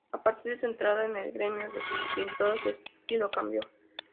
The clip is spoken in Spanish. A partir de su entrada en el gremio de pintores, su estilo cambió.